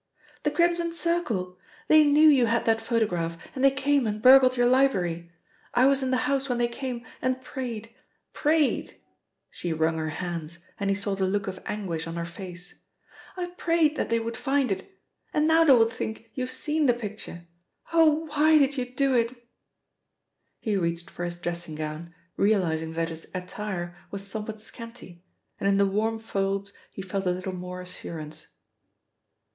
"The Crimson Circle. They knew you had that photograph, and they came and burgled your library. I was in the house when they came, and prayed prayed" she wrung her hands and he saw the look of anguish on her face. "I prayed that they would find it, and now they will think you have seen the picture. Oh, why did you do it?" He reached for his dressing gown, realising that his attire was somewhat scanty, and in the warm folds he felt a little more assurance.